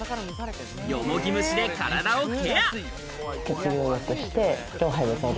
よもぎ蒸しで体をケア。